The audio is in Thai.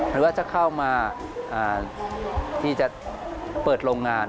มันว่าจะเข้ามาที่จะเปิดโรงงาน